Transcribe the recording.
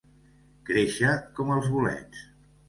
Créixer com els bolets.